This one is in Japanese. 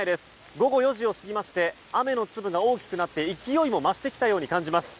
午後４時を過ぎまして雨の粒が大きくなって勢いも増してきたように感じます。